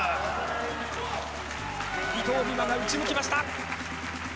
伊藤美誠が打ち抜きました。